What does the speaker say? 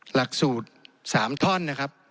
หลักสูตร๓ท่อนนะครับ